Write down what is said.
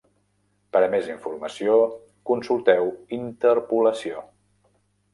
Per a més informació, consulteu interpolació.